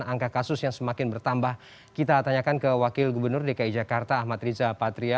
angka kasus yang semakin bertambah kita tanyakan ke wakil gubernur dki jakarta ahmad riza patria